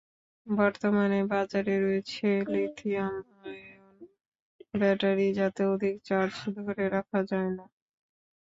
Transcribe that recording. বর্তমানে বাজারে রয়েছে লিথিয়াম-আয়ন ব্যাটারি যাতে অধিক চার্জ ধরে রাখা যায় না।